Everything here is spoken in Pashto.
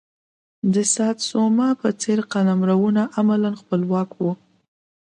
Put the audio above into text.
د ساتسوما په څېر قلمرونه عملا خپلواک وو.